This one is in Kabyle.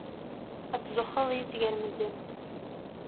Ad tzuxxeḍ yis-s gar medden.